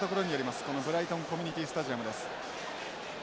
このブライトンコミュニティースタジアムです。